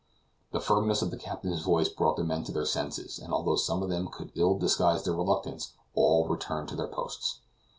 The firmness of the captain's voice brought the men to their senses, and although some of them could ill disguise their reluctance, all returned to their posts.